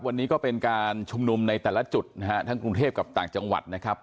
วันนี้ก็เป็นการชุมนุมในแต่ละจุดนะฮะทั้งกรุงเทพกับต่างจังหวัดนะครับ